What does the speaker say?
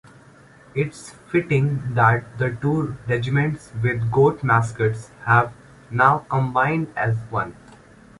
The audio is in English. It's fitting that the two regiments with goat-mascots have now combined as one.